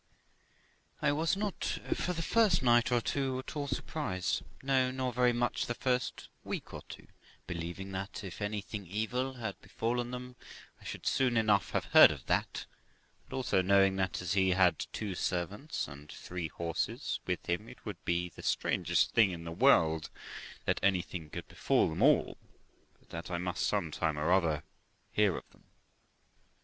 I was not, for the first night or two, at all surprised, no, nor very much the first week or two, believing that if anything evil had befallen them, I should soon enough have heard of that; and also knowing, that as he had two servants and three horses with him, it would be the strangest thing in the world that anything could befall them all, but that I must some time or other hear of them.